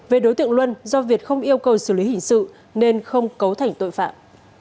về đối tượng luân do việt không yêu cầu xử lý hình sự nên không cấu thành tội phạm